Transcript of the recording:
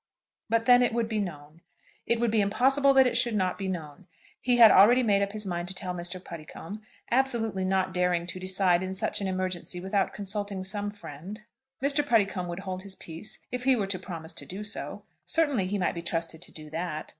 But then it would be known. It would be impossible that it should not be known. He had already made up his mind to tell Mr. Puddicombe, absolutely not daring to decide in such an emergency without consulting some friend. Mr. Puddicombe would hold his peace if he were to promise to do so. Certainly he might be trusted to do that.